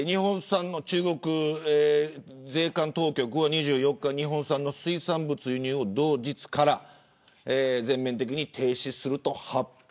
中国税関当局は２４日日本産の水産物輸入を同日から全面的に停止すると発表。